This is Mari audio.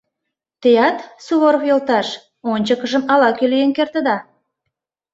— Теат, Суворов йолташ, ончыкыжым ала-кӧ лийын кертыда.